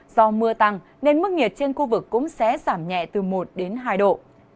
do mưa tăng nên mức nhiệt trên khu vực cũng sẽ giảm nhẹ từ một đến hai độ